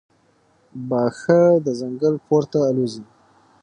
باښه د ځنګل پورته الوزي.